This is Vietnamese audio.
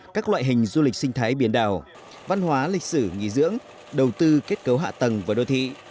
các loại hình du lịch sinh thái biển đảo văn hóa lịch sử nghỉ dưỡng đầu tư kết cấu hạ tầng và đô thị